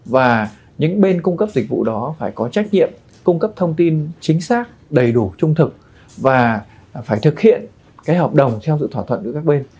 và những bên cung cấp dịch vụ đó phải có trách nhiệm cung cấp thông tin chính xác đầy đủ trung thực và phải thực hiện cái hợp đồng theo dự thỏa thuận giữa các bên